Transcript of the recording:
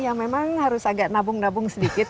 yang memang harus agak nabung nabung sedikit